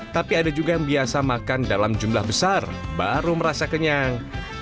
tapi ada juga yang biasa makan dalam jumlah besar baru merasa kenyang